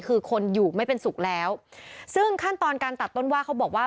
คือคนอยู่ไม่เป็นสุขแล้วซึ่งขั้นตอนการตัดต้นว่าเขาบอกว่า